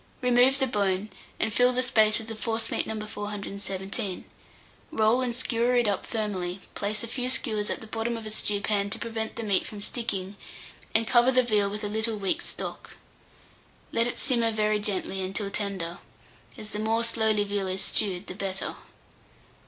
Remove the bone, and fill the space with a forcemeat No. 417. Roll and skewer it up firmly; place a few skewers at the bottom of a stewpan to prevent the meat from sticking, and cover the veal with a little weak stock. Let it simmer very gently until tender, as the more slowly veal is stewed, the better.